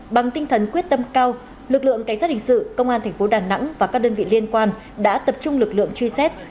bằng tinh thần quyết tâm cao lực lượng cảnh sát hình sự công an thành phố đà nẵng và các đơn vị liên quan đã tập trung lực lượng truy xét